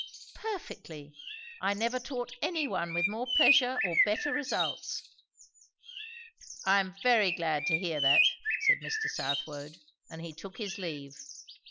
"Perfectly. I never taught any one with more pleasure or better results." "I am very glad to hear that," said Mr. Southwode. And he took his leave.